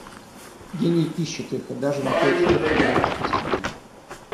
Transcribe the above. Гений ищет их и даже находит средства для их отыскания.